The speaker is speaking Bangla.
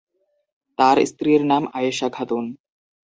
তার স্ত্রীর নাম আয়েশা খাতুন।